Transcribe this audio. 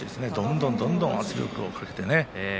どんどんどんどん圧力をかけてね。